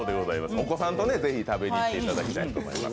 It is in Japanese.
お子さんとぜひ食べに行ってもらいたいと思います。